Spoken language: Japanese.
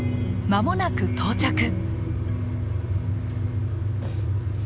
間もなく到着。